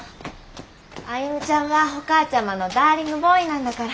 歩ちゃんはお母ちゃまのダーリングボーイなんだから。